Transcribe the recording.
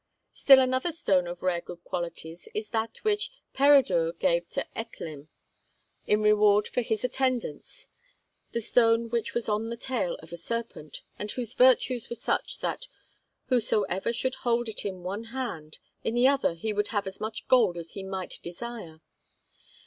' Still another stone of rare good qualities is that which Peredur gave to Etlym, in reward for his attendance, the stone which was on the tail of a serpent, and whose virtues were such that whosoever should hold it in one hand, in the other he would have as much gold as he might desire.